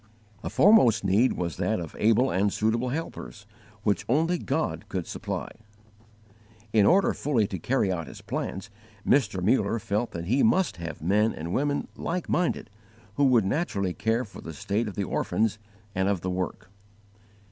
A foremost need was that of able and suitable helpers, which only God could supply. In order fully to carry out his plans, Mr. Muller felt that he must have men and women like minded, who would naturally care for the state of the orphans and of the work.